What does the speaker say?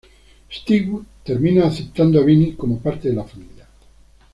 Stewie termina aceptando a Vinny como parte de la familia.